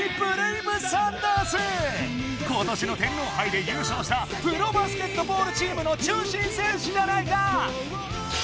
今年の天皇はいでゆうしょうしたプロバスケットボールチームの中心選手じゃないか！